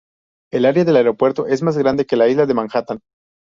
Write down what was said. El área del aeropuerto es más grande que la Isla de Manhattan.